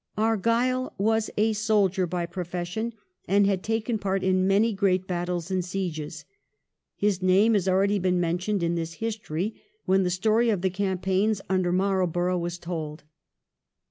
Argyle was a soldier by profession, and had taken part in many great battles and sieges. His name has already been mentioned in this history, when the story of the campaigns under Marlborough was told.